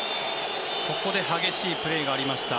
ここで激しいプレーがありました。